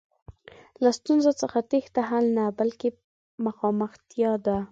له ستونزو څخه تېښته حل نه، بلکې مخامختیا ده.